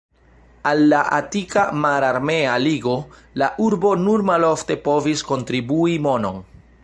Al la Atika Mararmea Ligo la urbo nur malofte povis kontribui monon.